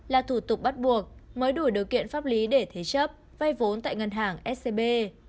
là thủ tục bắt buộc mới đủ điều kiện pháp lý để thế chấp vay vốn tại ngân hàng scb